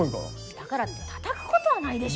だからってたたくことはないでしょ。